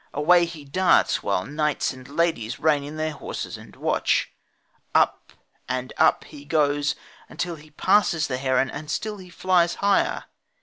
Away he darts, while knights and ladies rein in their horses and watch. Up, and up, he goes until he passes the heron and still he flies higher.